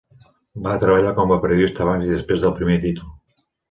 Va treballar com a periodista abans i després del primer títol.